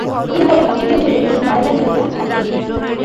তিনি পরে অস্ট্রেলিয়া চলে এবং মারা যান মেলবোর্ন, অস্ট্রেলিয়া ।